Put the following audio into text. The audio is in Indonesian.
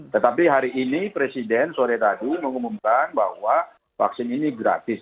tetapi hari ini presiden sore tadi mengumumkan bahwa vaksin ini gratis